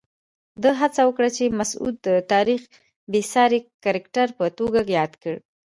ده هڅه وکړه چې مسعود د تاریخ بېساري کرکټر په توګه یاد کړي.